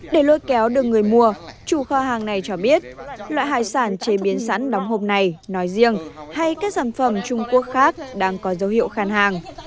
để lôi kéo được người mua chủ kho hàng này cho biết loại hải sản chế biến sẵn đóng hộp này nói riêng hay các sản phẩm trung quốc khác đang có dấu hiệu khan hàng